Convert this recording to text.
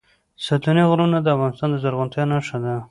ستوني غرونه د افغانستان د زرغونتیا نښه ده.